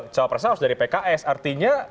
cawapresnya harus dari pks artinya